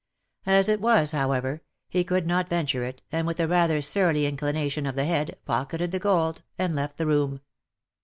As it was, however, he could not venture it, and with a rather surly inclination of the head, pocketed the gold, and left the room.